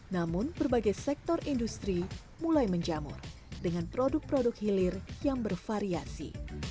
namun berbagai sektor industri mulai menjamur dengan produk produk hilir yang bervariasi